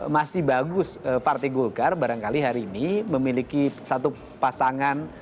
masih bagus partai golkar barangkali hari ini memiliki satu pasangan